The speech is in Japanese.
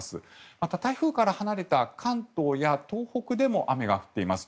また台風から離れた関東や東北でも雨が降っています。